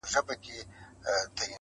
• حیا مي راسي چي درته ګورم -